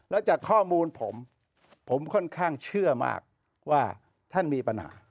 แล้วจากข้อมูลผมผมค่อนข้างเชื่อมากว่าท่านมีปัญหา